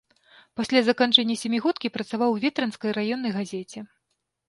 Пасля заканчэння сямігодкі працаваў у ветрынскай раённай газеце.